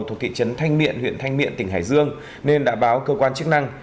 thuộc thị trấn thanh miện huyện thanh miện tỉnh hải dương nên đã báo cơ quan chức năng